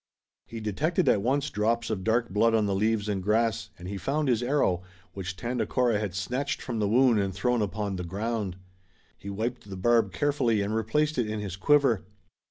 He detected at once drops of dark blood on the leaves and grass, and he found his arrow, which Tandakora had snatched from the wound and thrown upon the ground. He wiped the barb carefully and replaced it in his quiver.